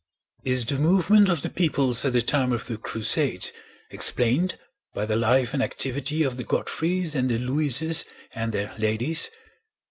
Is the movement of the peoples at the time of the Crusades explained by the life and activity of the Godfreys and the Louis es and their ladies?